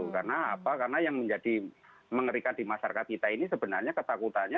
karena apa karena yang menjadi mengerikan di masyarakat kita ini sebenarnya ketakutannya